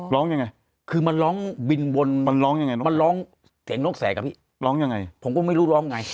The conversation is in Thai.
ร้องยังไงคือมันร้องบินวนมันร้องยังไงมันร้องเสียงนกแสกอะพี่ร้องยังไงผมก็ไม่รู้ร้องไง